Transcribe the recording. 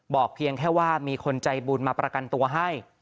เพียงแค่ว่ามีคนใจบุญมาประกันตัวให้